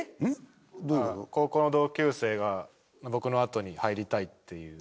高校の同級生が僕のあとに入りたいっていう。